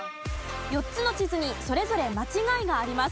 ４つの地図にそれぞれ間違いがあります。